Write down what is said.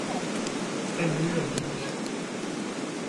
Pemp lur gig.